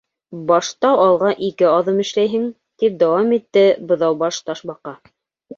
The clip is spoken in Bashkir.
—Башта алға ике аҙым эшләйһең... —тип дауам итте Быҙаубаш Ташбаҡа.